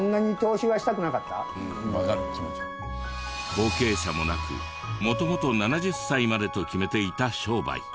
後継者もなく元々７０歳までと決めていた商売。